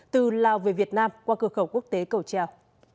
từ lào về việt nam qua cửa khẩu quốc tế cầu treo